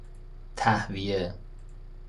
تﮩویه